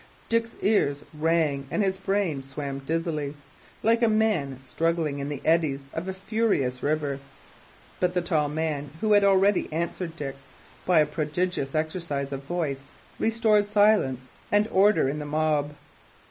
Dick's ears rang and his brain swam dizzily, like a man struggling in the eddies of a furious river. But the tall man who had already answered Dick, by a prodigious exercise of voice restored silence and order in the mob.